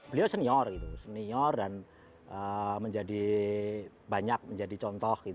beliau senior gitu senior dan menjadi banyak menjadi contoh